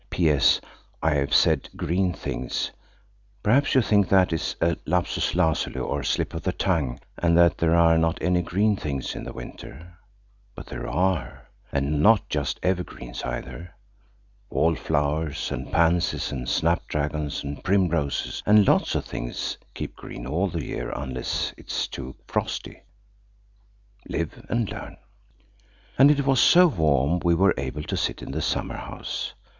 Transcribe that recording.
(PS.–I have said green things: perhaps you think that is a lapsus lazuli, or slip of the tongue, and that there are not any green things in the winter. But there are. And not just evergreens either. Wallflowers and pansies and snapdragons and primroses, and lots of things, keep green all the year unless it's too frosty. Live and learn.) And it was so warm we were able to sit in the summer house.